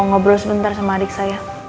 ngobrol sebentar sama adik saya